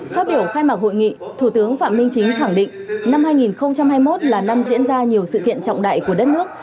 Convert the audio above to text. phát biểu khai mạc hội nghị thủ tướng phạm minh chính khẳng định năm hai nghìn hai mươi một là năm diễn ra nhiều sự kiện trọng đại của đất nước